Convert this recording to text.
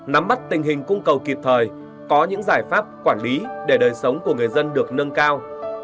nắm bắt tình hình cung cầu kịp thời có những giải pháp quản lý để đời sống của người dân được nâng cao